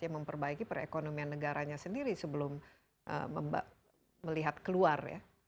yang memperbaiki perekonomian negaranya sendiri sebelum melihat keluar